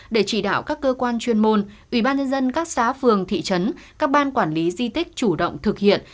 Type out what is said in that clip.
để chỉ đạo các cơ quan chuyên môn ubnd các xã phường thị trấn các ban quản lý di tích chủ động thực hiện